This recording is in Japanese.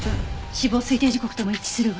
死亡推定時刻とも一致するわ。